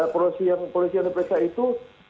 polisi yang diperiksa itu